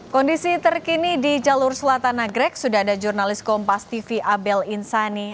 kondisi terkini di jalur selatan nagrek sudah ada jurnalis kompas tv abel insani